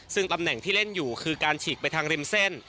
ซึ่งตำแหน่งที่เล่นอยู่คือการฉีกไปทางริมเส้น